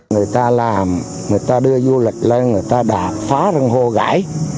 người ta làm người ta đưa du lịch lên người ta đạp phá răng hô gãi